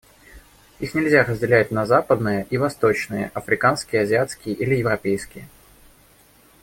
Их нельзя разделить на западные и восточные, африканские, азиатские или европейские.